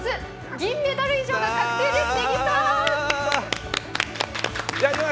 銀メダル以上が確定です。